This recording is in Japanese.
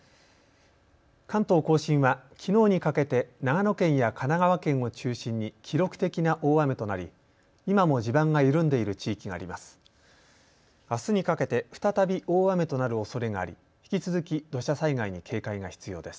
関東甲信は、きのうにかけて長野県や神奈川県を中心に記録的な大雨となり今も地盤が緩んでいる地域があります。